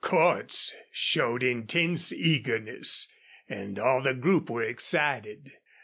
Cordts showed intense eagerness, and all the group were excited.